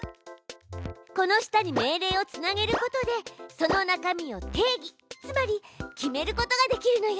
この下に命令をつなげることでその中身を定義つまり決めることができるのよ。